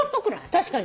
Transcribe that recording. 確かに。